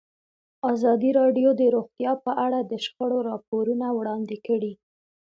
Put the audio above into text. ازادي راډیو د روغتیا په اړه د شخړو راپورونه وړاندې کړي.